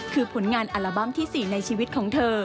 คือผลงานอัลบั้มที่๔ในชีวิตของเธอ